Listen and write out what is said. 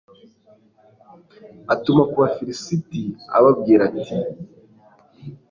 atuma ku bafilisiti, ababwira ati